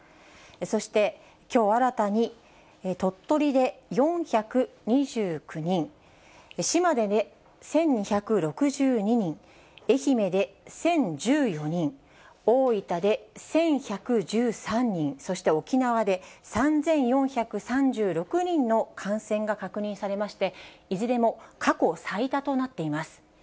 そして、きょう新たに鳥取で４２９人、島根で１２６２人、愛媛で１０１４人、大分で１１１３人、そして沖縄で３４３６人の感染が確認されまして、いずれも過去最多となっています。